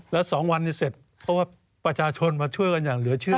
แล้ว๒วันนี้เสร็จเพราะว่าประชาชนมาช่วยกันอย่างเหลือเชื่อ